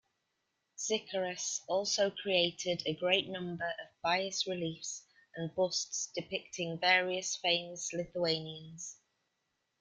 Zikaras also created a great number of bas-reliefs and busts depicting various famous Lithuanians.